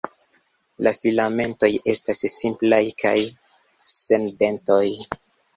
La filamentoj estas simplaj kaj sen dentoj.